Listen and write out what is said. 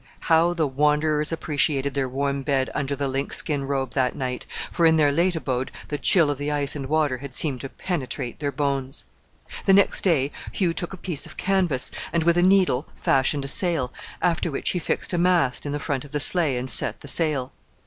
How the wanderers appreciated their warm bed under the lynx skin robe that night! for in their late abode the chill of the ice and water had seemed to penetrate to their bones! The next day Hugh took a piece of canvas, and with a needle fashioned a sail, after which he fixed a mast in the front of the sleigh and set the sail.